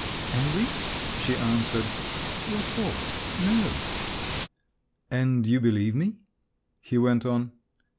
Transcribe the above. "Angry?" she answered. "What for? No." "And you believe me?" he went on.